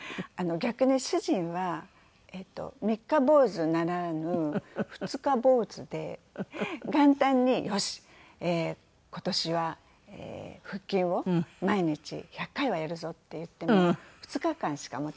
逆に主人は三日坊主ならぬ二日坊主で元旦に「よし。今年は腹筋を毎日１００回はやるぞ」って言っても２日間しかもたなかった。